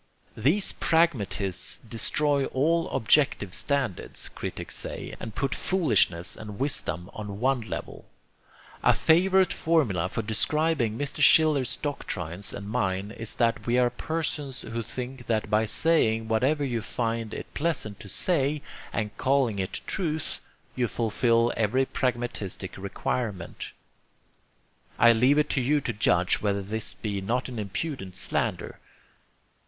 These pragmatists destroy all objective standards, critics say, and put foolishness and wisdom on one level. A favorite formula for describing Mr. Schiller's doctrines and mine is that we are persons who think that by saying whatever you find it pleasant to say and calling it truth you fulfil every pragmatistic requirement. I leave it to you to judge whether this be not an impudent slander.